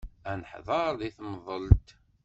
Ad neḥdeṛ deg temḍelt.